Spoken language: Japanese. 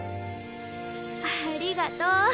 ありがとう。